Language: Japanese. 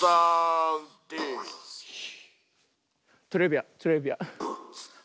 トレビアントレビアン。